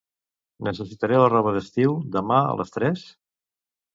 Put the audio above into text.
Necessitaré la roba d'estiu demà a les tres?